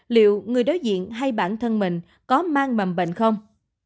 liệu người đối diện hay bản thân mình có mang mầm bệnh không